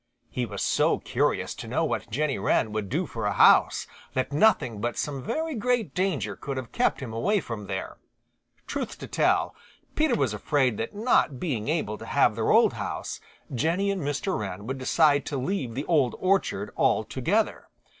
He was so curious to know what Jenny Wren would do for a house that nothing but some very great danger could have kept him away from there. Truth to tell, Peter was afraid that not being able to have their old house, Jenny and Mr. Wren would decide to leave the Old Orchard altogether.